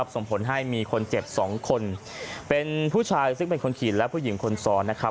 ส่งผลให้มีคนเจ็บ๒คนเป็นผู้ชายซึ่งเป็นคนขี่และผู้หญิงคนซ้อนนะครับ